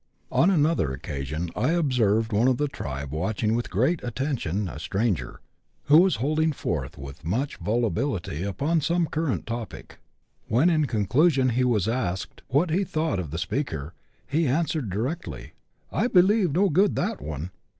On another occasion I observed one of the tribe watching with great attention a stranger, who was holding forth with much volubility upon some current topic. When, in conclusion, he was asked what he thought of the speaker, he answered di rectly, " I believe no good that one."